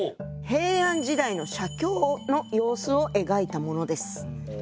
平安時代の写経の様子を描いたものです。